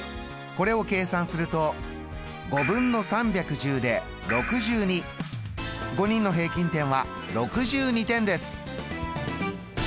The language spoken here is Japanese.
これを計算すると５人の平均点は６２点です。